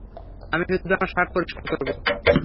আমি শুধু আমার শার্ট পরিষ্কার করবো।